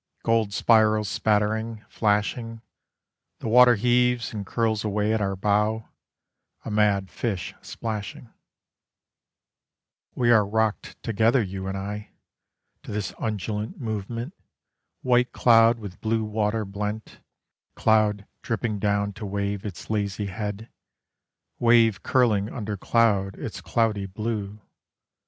Gold spirals spattering, flashing, The water heaves and curls away at our bow, A mad fish splashing. We are rocked together, you and I, To this undulant movement. White cloud with blue water blent, Cloud dipping down to wave its lazy head, Wave curling under cloud its cloudy blue.